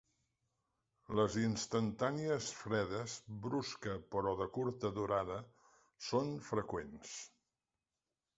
Les instantànies fredes brusca però de curta durada són freqüents.